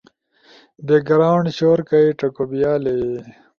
[بیک گراونڈ شور کئی چکو بیالے]